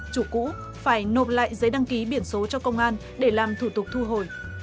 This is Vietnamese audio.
chủ cũ phải nộp lại giấy đăng ký biển số cho công an để làm thủ tục thu hồi